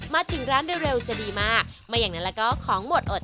ขอบคุณพี่น้องครับ